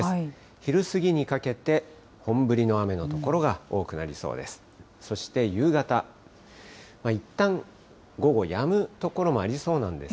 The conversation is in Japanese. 昼過ぎにかけて本降りの雨の所が多くなりそうです。